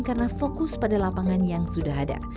karena fokus pada lapangan yang sudah ada